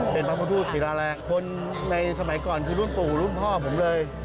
เป็นพระพุทธศิราแรงคนในสมัยก่อนคือรุ่นปู่รุ่นพ่อผมเลย